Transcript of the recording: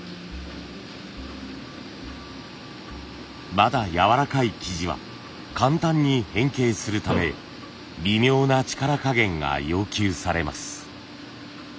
まだやわらかい素地は簡単に変形するため微妙な力加減が要求されます。